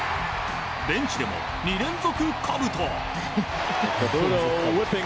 ベンチでも２連続かぶと。